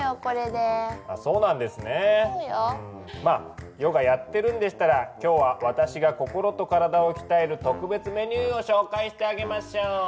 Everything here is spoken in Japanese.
まあヨガやってるんでしたら今日は私が心と体を鍛える特別メニューを紹介してあげましょう。